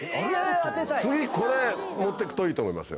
次これ持ってくといいと思います。